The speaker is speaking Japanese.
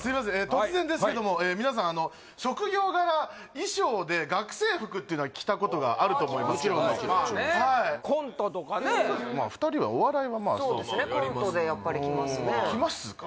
突然ですけども皆さんあの職業柄っていうのは着たことがあると思いますけどももちろんもちろんまあねコントとかねまあ２人はお笑いはまあそうですねコントで着ますね着ますか？